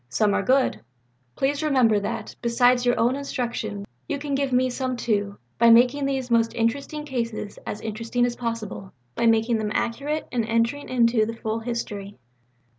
Some are good. Please remember that, besides your own instruction, you can give me some too, by making these most interesting cases as interesting as possible by making them accurate and entering into the full history."